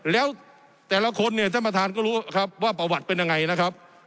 แล้วแต่ละคนเนี่ยท่านประธานก็รู้ครับว่าประวัติเป็นยังไงนะครับ